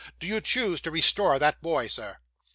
Do you choose to restore that boy, sir?